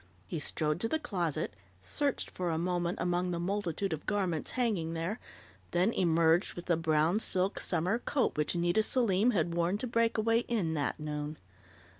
He strode to the closet, searched for a moment among the multitude of garments hanging there, then emerged with the brown silk summer coat which Nita Selim had worn to Breakaway Inn that noon.